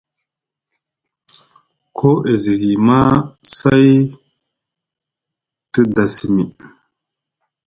Koo e zi hiy maa, say te da simi.